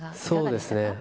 そうですね。